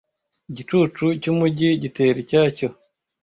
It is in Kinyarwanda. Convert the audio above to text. Igicucu cyumujyi gitera icyacyo